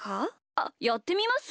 あっやってみます？